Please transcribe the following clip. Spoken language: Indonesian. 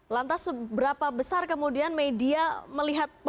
lantas seberapa besar kemudian media melihat